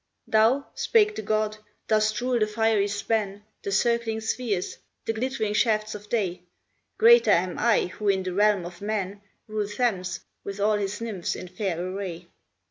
"Thou," spake the god, "dost rule the fiery span, The circling spheres, the glittering shafts of day; Greater am I, who in the realm of man Rule Thames, with all his Nymphs in fair array.